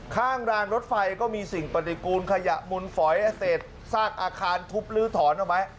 ข้างรางรถไฟก็มีสิ่งปฏิกูลขยะมุนฝอยเศษซากอาคารทุบลื้อถอนเอาไว้